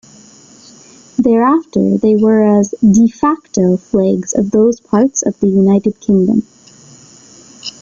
Thereafter they were as "de facto" flags of those parts of the United Kingdom.